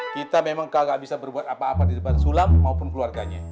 kita memang gak bisa berbuat apa apa di depan sulam maupun keluarganya